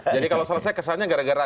jadi kalau selesai kesannya gara gara